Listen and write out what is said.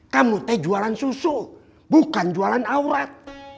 kamu teh jualan susu bukan jualan aurat